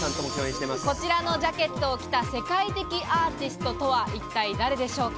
こちらのジャケットを着た世界的アーティストとは一体誰でしょうか？